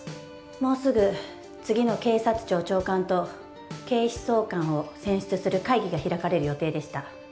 もうすぐ次の警察庁長官と警視総監を選出する会議が開かれる予定でした。